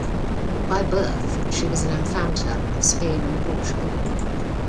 By birth, she was an infanta of Spain and Portugal.